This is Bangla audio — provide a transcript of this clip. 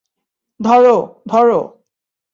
ধরো, ধরো।